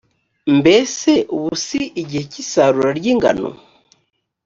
mbese ubu si igihe cy’isarura ry’ingano?